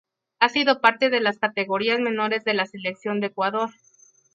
Ha sido parte de las categorías menores de la Selección de Ecuador.